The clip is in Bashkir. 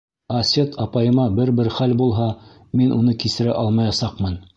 Асет апайыма бер-бер хәл булһа, мин уны кисерә алмаясаҡмын.